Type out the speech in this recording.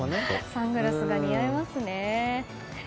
サングラスが似合いますね。